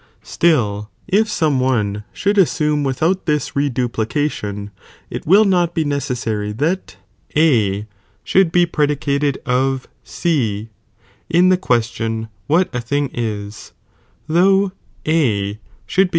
Still if some one should assume without this reduplication,^ it will not bo necessary that A should be predi cated of C in the question what a thing is, though A should , In the miOcT.